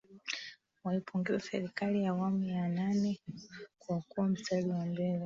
Waipongeza Serikali ya awamu ya nane kwa kuwa mstari wa mbele